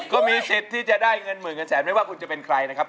ก็มีสิทธิ์ที่จะได้เงินหมื่นเงินแสนไม่ว่าคุณจะเป็นใครนะครับ